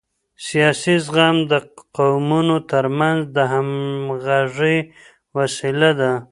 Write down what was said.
سیاسي زغم د قومونو ترمنځ د همغږۍ وسیله ده